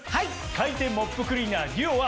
回転モップクリーナーＤＵＯは。